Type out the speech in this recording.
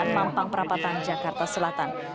mampang perapatan jakarta selatan